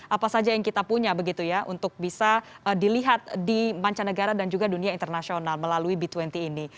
apa saja yang kita punya begitu ya untuk bisa dilihat di mancanegara dan juga dunia internasional melalui b dua puluh ini